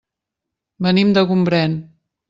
Venim de Gombrèn.